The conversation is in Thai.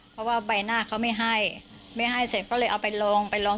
เพราะว่าใบหน้าเขาไม่ให้ไม่ให้เสร็จก็เลยเอาไปลงไปลอง